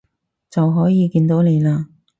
就可以見到你喇